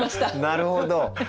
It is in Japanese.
なるほど。